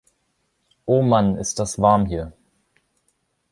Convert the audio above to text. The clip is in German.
Oh Mann, ist das warm hier!